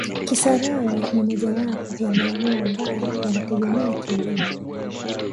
Kisarawe ni mojawapo ya maeneo ambayo yanategemea kilimo